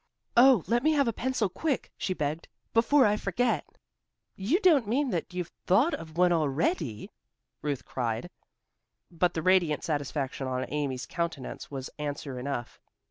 "Oh, let me have a pencil, quick," she begged, "before I forget it." "You don't mean that you've thought of one already!" Ruth cried, but the radiant satisfaction on Amy's countenance was answer enough.